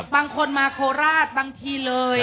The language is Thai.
บางคนมาโคราชบางทีเลย